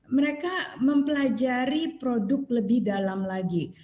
mereka mempelajari produk lebih dalam lagi